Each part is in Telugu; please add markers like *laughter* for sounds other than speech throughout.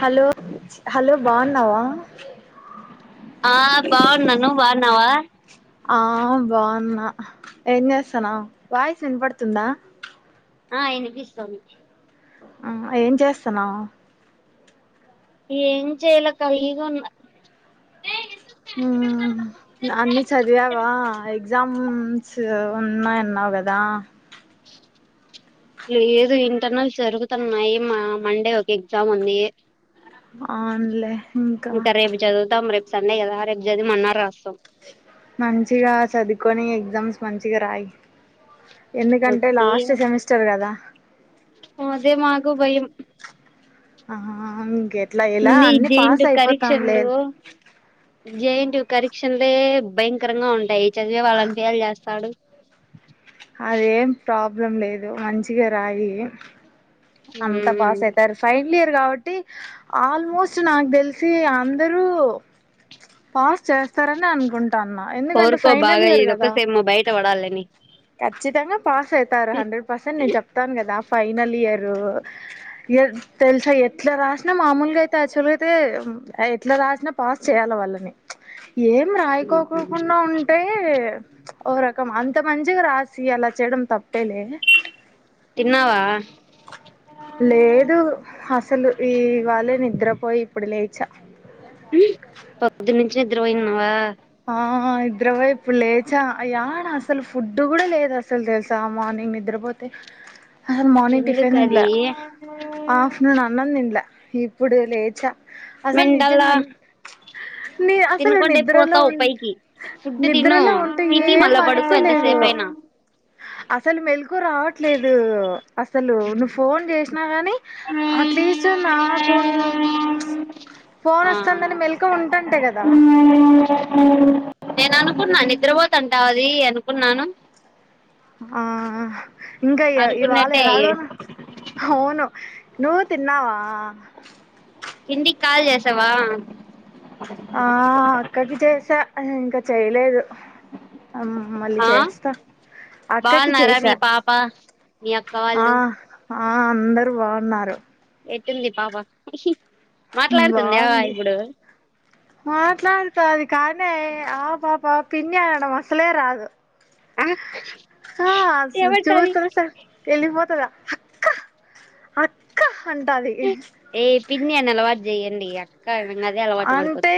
హలో హలో బాగున్నావా ఆ బాగున్నాను నువ్ బాగున్నావా ఆ బాగున్నా ఏం చేస్తాన్నావ్ వాయిస్ వినపడుతుందా ఆ వినిపిస్తోంది ఆ ఏం చేస్తున్నావ్ ఏం చేయ్లక్క ఫ్రీగా ఉన్నా హ్మ్ అన్ని సదువ్కూన అన్నావ్ గదా లేదు ఇంటర్నల్ జరుగుతున్నాయి మా మండే ఒక ఎగ్జామ్ ఉంది. అవ్న్ లే ఇంకా రేపు చదువుతాం రేపు సండే గదా రేప్ జదివ్ మర్నాడ్ రాస్తాం మంచిగా చదువుకొని ఎగ్జామ్స్ మంచిగా రాయి. ఎందుకంటే ఓకే లాస్ట్ సెమిస్టర్ కదా అదే మాకు భయం ఆ అే ముందే ఇద్దే ఇంట కరీక్షన్లు జైట్ కరీక్షన్లే భయంకరంగా ఉంటాయి చదివే వాళ్ళని ఫేల్ చేస్తాడు అదేం ప్రాబ్లం లేదు మంచిగా రాయి అంత హ్మ్ పాస్యతే ఫైన్ లియర్ కాబట్టి ఆల్మోస్ట్ నాకు తెలిసి అందరూ పాస్ చేస్తారని అనుకుంటు కోరుకో బాగా ఇదొక్కసేమో బయట పడాలని ఖచ్చితంగా పాస్ అవుతారు హండ్రెడ్ పర్సెంట్ నేను చెప్తాను కదా ఫైనల్ ఇయరు ఇ తెలుసా ఎట్లా రాసినా మామూలుగా అయితే యాక్చువల్ అయితే ఎట్లా రాసినా పాస్ చేయాలి వాళ్ళని ఏం రాయికోకకుండా ఉంటాయి ఒకరక కం అంత మం మంచిగా రాసి అలా చేయడం తప్పేలే తిన్నావా లేదు అసలు ఈవాళే నిద్రపోయి ఇప్పుడు లేచా పొద్దునే నిద్దర పోయి ఉన్నావా ఆ నిద్ర పోయి ఇప్పుడు లేచా ఏడా అసలు ఫుడ్డు కూడా లేదు అసలు తెలుసా మార్నింగ్ నిద్రపోతే అసలు మార్నింగ్ టిఫిన్ తినల ఎందుకది ఆఫ్టర్నూన్ అన్నం తినల ఇప్పుడు లేచా అసలు మెంటల్లా నిజంగా నీ అసలు తినకుంటే నిద్రలో పోతావు పైకి ఫుడ్డు తిను నిద్రలో ఉంటే తిని ఏం మళ్ళా పడుకో ఎంత అనిపిలేదు సేపైనా అసలు మేల్కు మెలుకువ రావట్లేదు అసలు నువ్వు ఫోన్ చేసినా గాని అట్లీస్ట్ నాకూ ఫోన్ ఆ వస్తుందని మెలకువ ఉంటంటే కదా నేను అనుకున్నాను నిద్రపోతుంటా అది అనుకున్నాను ఆ ఇంకా ఇవాళ అనుకున్నట్టే ఎలాగోను అవును నువ్వు తిన్నావా ఇంటి కి కాల్ చేసావా ఆ అక్కకి చేసా ఇంకా చెయలేదు ఆ అక్కకి బావున్నారా చేసా మీ పాప మీ అక్క ఆ వాళ్ళు ఆ అందరు బావున్నారు ఎట్టుంది పాప ఖుషి బావుంది మాట్లాడుతాది కానీ ఆ పాపా పిన్నీ అనడం అసలే రాదు ఆ ఆ ఏమంటది చూసి *unintelligible* సా ఎల్లి పోతదా అక్క అక్క అంటాది నేను అలవాటు చెయ్యండి అ అంటే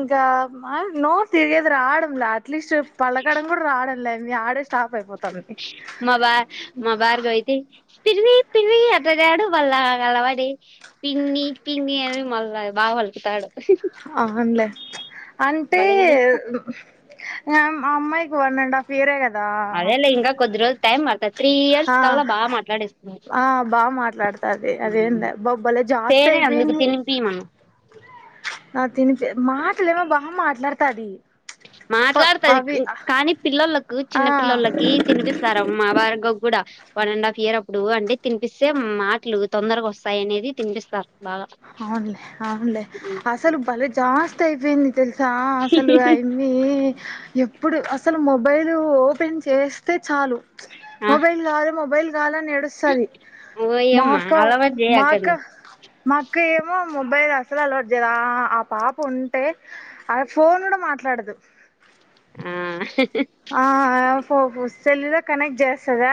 ఇంకా మ నోరు తిరగదు రావడం లా అది అట్లీస్ట్ పలకడం కూడా రాడ లేదు మీ ఆడేస్ *unintelligible* పోతానండి మా బా మా భార్గవ్ అయితే పిన్ని పిన్నిని అట్గాడు వళ్ళా కలవాడి పిన్ని పిన్ని అని మళ్ళా బా పలుకుతాడు అవును లే అంటే భలే పిలుస్తా అమ్మాయికి వన్ అండ్ హాఫ్ ఇయర్ ఏ కదా అదెలే ఇంగా కొద్దిరోజులు టైమ్ పడ్ హా ఆ బా మాట్లాడతది అదేంద బొబ్బలే జాస్తి తేనే అందుకు అయిపోయింది తినిపి మనం ఆ తిని చేత్ మాట్లే మా బా మాట్లాడ్ తది మాట్లాడుతది కానీ పిల్లలకు ఆ చిన్న పిల్లోళ్లకి తినిపిస్తారు అమ్మా వారిగ కూడా వన్ అండ్ హాఫ్ ఇయర్ అప్పుడు అంటే తినిపిస్తే మాటలు తొందరగా వస్తాయి అనేది తినిపిస్తారు బాగా అవునులే అవున్లే ఆసలు బలే జాస్ అంత ఐపోయింది తెలుస్ చ అసలు అయిమ్మి ఎప్పుడు అసలు మొబైల్ ఓపెన్ చేస్తే చాలు ఆ మొబైల్ కావాలి మొబైల్ కావాలి అని ఏడుస్తది ఓయమ్మా మాకవ్ అలవాటు మార్క్ చేయకండి అవ్ మా అక్క ఏమో మొబైల్ అసలు అలవాటు చేయాది ఆ పాప ఉంటే అ ఫోన్ కూడా మాట్లాడదు. ఆ ఆ ఫో ఫో సెల్లు లో కనెక్ట్ చేస్తదా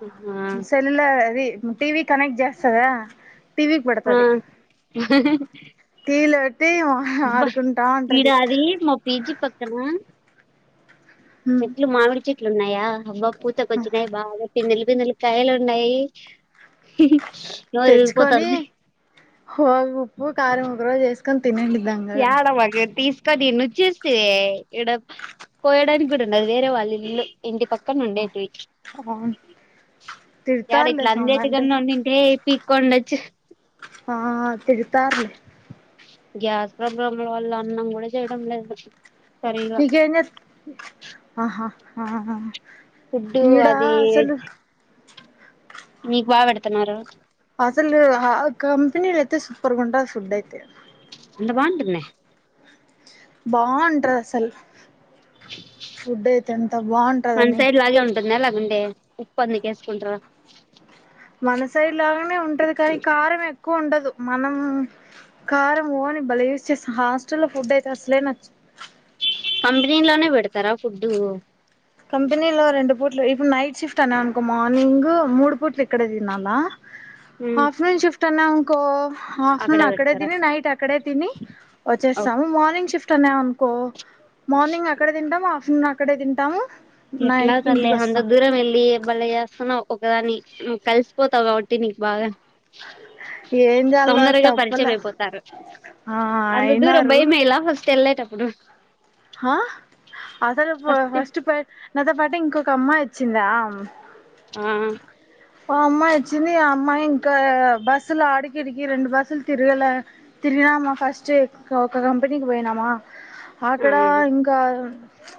ఆ సెల్లు లో అది టివి కనెక్ట్ జాస్త దా టివిక్ బడతది హేహీ ఇలా అబ్బ ఇడాది మా పీజీ పక్కన చెట్లు మామిడి చెట్లు ఉన్నాయా అబ్బా పూతక వచ్చినాయి బాగా పిన్నెలు బిందులు కాయలు ఉన్నాయి నోరూ ఊరి తెచ్చుకొని పోతంది హో ఉప్పు కార ముగ్రు చేసుకో యాడ మగ తీస్ క దీన్ని చూస్తే ఇడ కోయడానికి కూడా ఉండది వేరే వాళ్ళు ఇల్లు ఇంటి పక్కన ఉండేటివి అవును యాడ తిడతారులే ఇట్లా సోమ అందేటి అంటే కన్నా ఉన్నింటే పీక్ కొండొచ్చ ఆ తిడుతారులే గ్యాస్ ప్రాబ్లంల వల్ల అన్నం కూడా చేయడం లేదు సరిగా ఇక ఆహా హా ఫుడ్డు అది మీకు బాగా పెడుతున్నారు అసలు ఆ కంపెనీల అయితే సూపర్ గుంట ఫుడ్ అయితే అంత బంటకునే బాంటది అసలు ఫుడ్ అయితే అంత బాగుంటదని ముండే ఉప్పందని కేేసుకుంట్ర మన సైడ్ లాగానే ఉంటది కానీ కారం ఎక్కువ ఉండదు. మనం కారం ఓన్లీ భలే యూజ్ చేస్తాం. హాస్టల్లో ఫుడ్ అయితే అసలే నచ్చద్ కంపెనీ లోనే పెడతారా ఫుడ్డు కంపెనీలో రెండు పూట్లు ఇప్పుడు నైట్ షిఫ్ట్ అననుకో, మార్నింగు మూడు పూట్లు ఇక్కడ తినాలా. హాఫ్టర్నూన్ షిఫ్ట్ టనంవ్కో హాఫ్టర్నూన్ అక్కడే తిని, నైట్ అక్కడే తిని, వచ్చేస్తాము మార్నింగ్ షిఫ్ట్, *unintelligible* కో మార్నింగ్ అక్కడ తింటాం ఆఫ్టర్నూన్ అక్కడే తింటాము ఎట్లా నైట్ కి తల్లి ఇంటికి వస్తాం అంతదూరం వెళ్లి భలే చేస్తన్నావ్ ఒకదాని నువ్ కలిసిపోతావ్ కాబట్టి నీకు బాగానే ఏం చేయాలో తొందరగా పరిచయం తప్పలే అయిపోతారు. ఆ అంత దూరం అయినారు భయమేలా ఫస్ట్ తెల్లేటప్పుడు ఆ అసలు ఫ ఫస్ట్ ఫట్ నాతో పాటు ఇంకొక అమ్మాయ్ వచ్చిందా ఆ ఆ అమ్మాయి వచ్చింది ఆ అమ్మాయి ఇంకా బస్సులు ఆడికిడికి రెండు బస్సులు తిరగల తిరిగినామా ఫస్ట్ ఒక కంపెనీకి పోయినామా అక్కడ అవును ఇంకా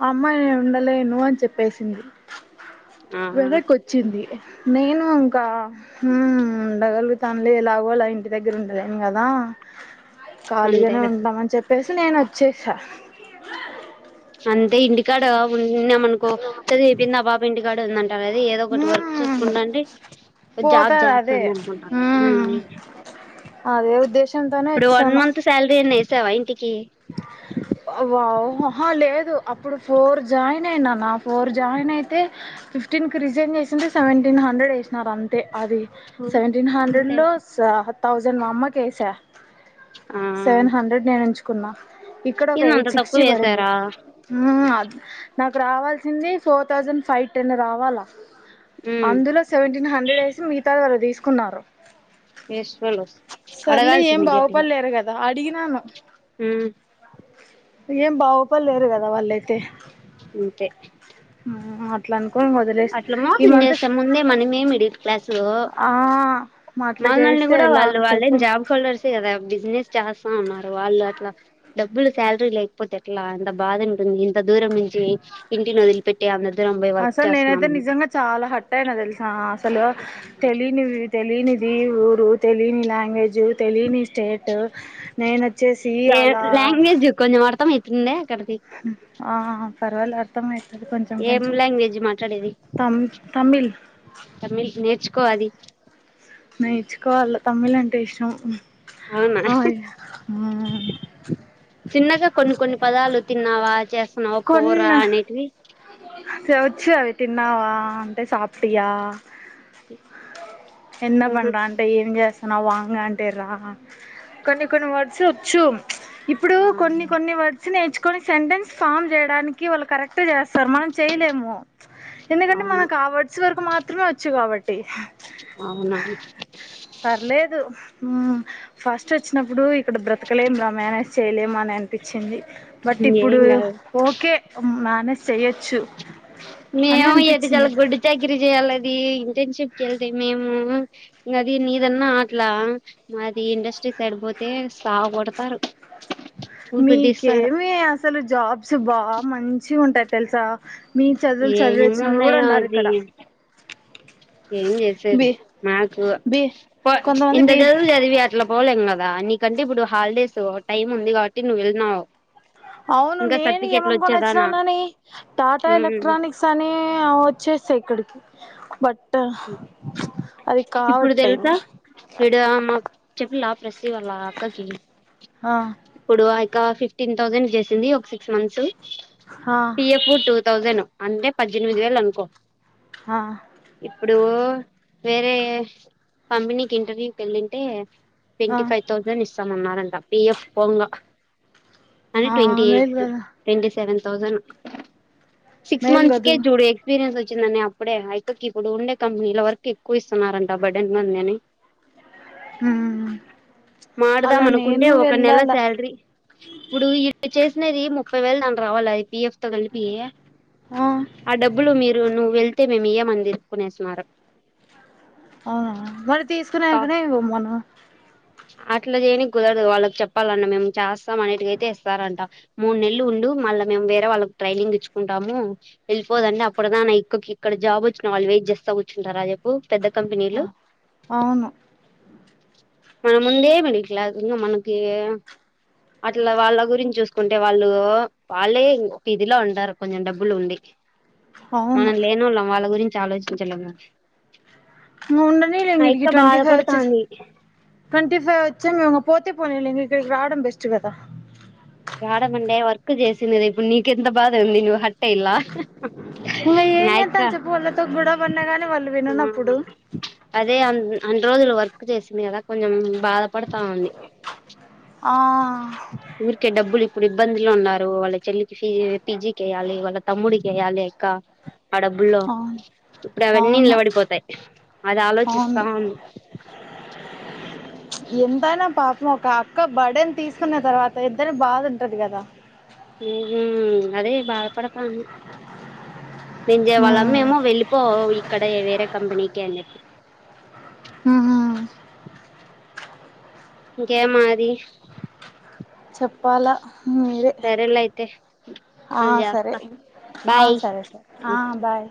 అమ్మాయి నేను ఉండలేను అని చెప్పేసింది ఆ వెనక్కి వచ్చింది నేను ఇంకా హ్మ్ ఉండగలుగుతానులే ఎలాగోలా ఇంటి దగ్గర ఉండలేను కదా ఖాళీగానే అంతేలే ఉంటాం అని చెప్పి ప్లస్ నేను వచ్చేసా అంటే ఇంటికాడ ఉన్నామనుకో చదువు అయిపోంది ఆ పాప ఇంటికాడే ఉందంటారు. అదే ఏదో ఒకటి వర్క్ హ్మ్ చూసుకుంటంటే జాబ్ పోతది అదే చేస్తుంది అనుకుంటారు. హ్మ్ అదే ఉద్దేశంతోనే ఇప్పుడు వన్ వచ్చాను మంత్ సాలరీ నేసవ ఇంటికి వావ్! హాహా లేదు. ప్పుడు ఫోర్ జాయిన్ అయినాన ఫోర్ జాయిన్ అయితే ఫిఫ్టీన్ కి రిజైన్ చేస్తుంటే సెవెంటీన్ హండ్రెడ్ వేసినారు అంతే అది సెవెంటీన్ హండ్రెడ్ అంతే లో స్వాహామ్ తౌజండ్ మా అమ్మ కేసా ఆ సెవెన్ హండ్రెడ్ నేనుంచు కున్నా ఇక్కడ ఒక ఏంది అంత ఎయిట్ తక్కువ సిక్స్టీ పడింది. వేసారా ఉ నాకు రావాల్సింది ఫోర్ తౌజండ్ ఫైవ్ టెన్ రావాలా ఉమ్ అందులో సెవెంటీన్ హండ్రెడ్ వేసి మిగతాది వాళ్ళు తీస్ కున్నారు. ఏస్ *unintelligible* అడగాల్సింది గట్టిగా అడిగినను *unintelligible* ఊ ఏం బావుపడలేరు కదా! వాళ్ళయితే అంతే హు అట్లాని అట్ల మోసం చేస్తే ముందే మనమే మిడిల్ క్లాస్ సు ఆ అట్లా మనల్ని చేస్తే కూడా ఎలా వాళ్ళు వాళ్ళేం చెప్పు జాబ్ హోల్డర్స్ే కదా *unintelligible* బిజినెస్ చేస్తా అన్నారు వాళ్ళు అట్లా డబ్బులు శాలరీ లేకపోతే ఎట్లా అంత బాధ ఉంటుంది ఇంత దూరం నుంచి ఇంటిని వదిలిపెట్టి అ రం పోయి వర్క్ చెస్ *inaudible* అంటే నిజంగా చాలా హాట్ అయినా తెలుసా లాస్ లో తెలినివి తెలినివి ఎ ఊరు తెలియని లాంగ్వేజు తెలియని స్టే ట్ *inaudible* నేను వచ్చేసి అలా తుందా కది *inaudible* ఆ ఆ పర్వాలె అర్థమే ఏం లాంగ్వేజ్ మాట్లాడేది. తమ్ తమిళ్ తమిల్ నేర్చుకోవలీ నేర్చుకోవాలి తమ్మిళంటే ఇష్టం అవునా ఆయ్ ఉఉ చిన్నగా కొన్ని కొన్ని పదాలు తిన్నావా, చేస్తున్నావా, పోరా అనేటివి సచ్చు వచ్చు అవి తిన్నావా అంటే సాప్ టియా ఎన్న ఆహా పండంట ఏం జస్త నా వాంగ్ అంటే రా కొన్ని కొన్ని వర్డ్స్ వచ్చు ఇప్పుడు ఆ కొన్ని కొన్ని వర్డ్స్ నేర్చు కొన్ని సెంటెన్స్ ఫామ్ చేయడానికి వాళ్ళు కరెక్ట్ చేస్తారు మన చేయలేము ఎందుకంటే అవును మనకు ఆ వర్డ్స్ వరకు మాత్ మాత్రమే వచ్చు కాబ కాబట్టి అవునా పర్లేదు ఉమ్ ఫస్ట్ వచ్చినప్పుడు ఇక్కడ బ్రతకలేం రా మేనేజ్ చేయలేము అని అనిపించింది బట్ ఇప్పుడు ఏం కాదు ఓకే మా మ్యానేజ్ చేయొచ్చు మేము ఏద చాల గుొడ్డు చాకిరీ చేయాలి అది ఇంటెన్షిప్ కి వెళ్తే మేము ఇంగ అది నీదన్నా అట్లా మాది ఇండస్ట్రీ సైడ్ పోతే సావు కొడతారు ఊపిరి తీస్తారు మీకేమే అసలు జాబ్స్ బాగా మంచి ఉంటాయి తెలుసా మీ చదువులు చదివచ్చిన వాళ్ళు కూడా ఏమున్నాయో ఉన్నారు అది ఇక్కడ ఏం చేసేది బి మాకు బి పో కొంతమంది ఇంత బి చదువు చదివి అట్లా పోలేం కద్ దానికంటే ఇప్పుడు హాలిడేస్ టైమ్ ఉంది కాబట్టి నువ్వు వెళ్ళినవు అవును నేను ఏమనుకోని వచ్చినానని టాటా ఉమ్ ఎలక్ట్రానిక్స్ అని వచ్చేసా ఇక్కడికి బట్ అది ఇప్పుడు కావట్లేదు తెలుసా ఇడ మాకు చెప్పి లాబ ఇవాళ అక్కకి ఆ ఇప్పుడు ఒక ఫిఫ్టీన్ థౌజండ్ చేసింది ఒక సిక్స్ మంత్స్ ఆ పి ఎఫ్ టూ థౌసెను అంటే పద్దెనిమిది వేలు అనుకో హా ఇప్పుడు వేరే కంపెనీకి ఇంటర్వ్యూకి వెళ్ళింటే ఆ ట్వంటీ ఫైవ్ థౌసండ్ ఇస్ ఇస్తామన్నారంట పిఎఫ్ పోంగ అన్ని ఆ ట్వంటీ మేలు ఎయిట్ కదా ట్వంటీ సెవెన్ తౌసండ్ సిక్స్ మేలు మంత్స్ కే కదు చూడు ఎక్స్పీరియన్స్ వచ్ వచ్చిందని అప్పుడే ఆ యక్కకి ఇప్పుడు ఉండే కంపెనీల వరకు ఎక్కువ ఇస్తున్నారంట, బడెన్ మంది అని ఉమ్ అలా మాడుదాంమనుకుంటే, నేను ఒక నెల వెళ్ళాల శాలర్రీ ప్చ్ ఇప్పుడు ఇడ్ ఇచ్చేస్ చ్చినేది. ముప్పై వేలు దాంక రావాల అది పి ఎఫ్ తో గల్పియా, ఆ డబ్బులు మీరు నువ్వు వెల్ తే మేమియ్యమని చెప్పుకునేసి స్మారక్ అవునా మరి తీసుకున్నకనే ఇవ్వమను ప్చ్ అట్లా చేయనికి కుదరదు వాళ్ళకి చెప్పాలన్న మేము చేస్తాం. అన్నిటికయితే ఇస్తారంట మూడు నెలలు ఉండు, మళ్ళీ మేము వేరే వాళ్ళకి ట్రైనింగ్ ఇచ్చుకుంటాము. వెళ్ళిపోదంటే అప్పుడుదానా ఇక్కకి ఇక్కడ జాబ్ వచ్చినా, వాళ్ళు వెయిట్ జేస్ సగుచ్చుంటా రాయకు ఆ అవును మనం ముందే మిడిల్ క్లాస్, ఇంకా మనకి ఎ అట్లా వాళ్ళ గురించి చూసుకుంటే, వాళ్ళు వాళ్ళే ఇం ఒక్ ఇదిలా ఉంటారు. కొంచెం డబ్బులు ఉండి. అవును మనం లేనోల్లం వాళ్ళ గురిం చాలేజ్ హ్మ్ జల్లము ప్చ్ ముండనిలే ఇంక వీటికి ట్వంటీ ఫైవ్ వచ్చేసిం, బాధపడతాంది ట్వంటీ ఫైవ్ వచ్చిం ఇగ పోతే పోనీలే నీకు ఇడ రావడం, బెస్ట్ కదా ప్చ్ రాడంమండే వర్క్ చేసింది. కదా ఇప్పుడు నీకెంత బాధగా ఉంది. నువ్వు హర్ *unintelligible* ఇంగ ఏం న్యాయిక్క చేత్తాం చెప్పు వాళ్ళతో గొడవ పడినా గాని వాళ్ళు హా విననప్పుడు ప్చ్ అదే అన్ని రోజులు వర్క్ క్ చేసింది. కదా కొంచెం బాధపడతా ఉంది. ప్చ్ ఆ ప్చ్ ఊరికే డబ్బులు ఇప్పుడు ఇమ్మ్ ఇబ్బంజిలో ఉన్నారు. వాళ్ళ చెల్లికిి పిజి పిజీకెయాలి. వాళ్ళ తమ్ముడికేయాలి. యిక్క ఆ డబ్బుల్లో అవును ఇప్పుడవన్నీ అవును నిలబడిపోతాయి. అదా అవును ఆలోచిస్తాం ది. ప్చ్ ప్చ్ ఎంతైనా పాపముక్కా, అక్క భడెన్ తీసుకున్న తర్వాత ఇద్దర్ని బాధ ఉంటంది. కదా హుహ్మ్ అదే బాధపడతాంది. నింజే మ్మ్ వాళ్ళమ్మేమో, వెళ్ళిపో విళ్ క్కడే ఏ వేరే కంపెనీకె అన్నెద్ది. ఆహా ఇంకేం మాది ఎప్పాల ప్చ్ సరేలే అయితే, హ్మ్ ఆ సరే మల్యస్తా ఆ బాయ్ స్ సరే సరే ఆ హ్మ్ బాయ్